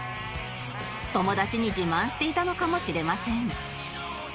友達に自慢していたのかもしれません